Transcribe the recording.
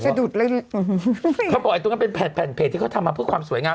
ก็ไม่รู้ว่าเขาบอกอันนั้นเป็นแผ่นเพจที่เขาทำมาเพื่อความสวยงาม